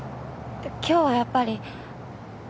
今日はやっぱり。